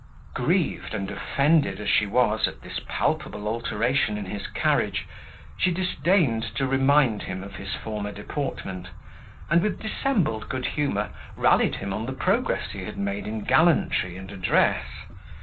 Grieved and offended as she was, at this palpable alteration in his carriage, she disdained to remind him of his former deportment, and, with dissembled good humour, rallied him on the progress he had made in gallantry and address.